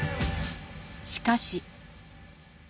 しかし。